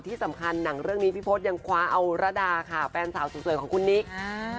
ที่สำคัญหนังเรื่องนี้พี่พศยังคว้าเอาระดาค่ะแฟนสาวสวยของคุณนิกอ่า